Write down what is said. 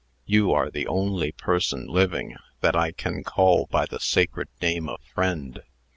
You are the only person living that I can call by the sacred name of friend.